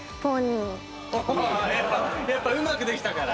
やっぱうまくできたからね。